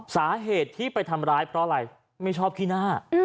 สาเหตุที่ไปทำร้ายเพราะอะไรไม่ชอบขี้หน้า